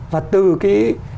và từ cái